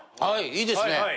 はいいいですね。